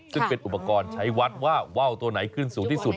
ซึ่งเป็นอุปกรณ์ใช้วัดว่าว่าวตัวไหนขึ้นสูงที่สุด